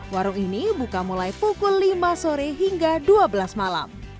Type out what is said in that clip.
warung ini buka mulai pukul lima sore hingga dua belas malam